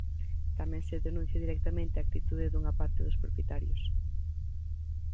Tamén se denuncia directamente a actitude dunha parte dos propietarios.